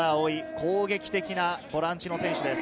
攻撃的なボランチの選手です。